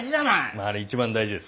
まあね一番大事です。